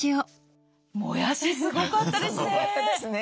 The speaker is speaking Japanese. もやしすごかったですね。